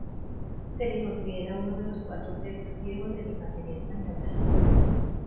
Se le considera uno de los cuatro Tercios Viejos de la infantería española.